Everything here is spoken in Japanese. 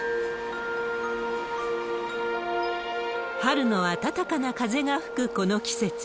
春の暖かな風が吹くこの季節。